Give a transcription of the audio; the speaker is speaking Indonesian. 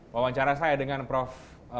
pemawancara saya dengan prof